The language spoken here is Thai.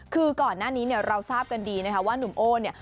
คือก่อนหน้านี้เนี่ยเราทราบกันดีนะคะว่านุ่มโอ้เนี่ย